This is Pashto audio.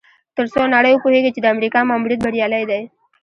تر څو نړۍ وپوهیږي چې د امریکا ماموریت بریالی دی.